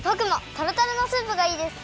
とろとろのスープがいいです！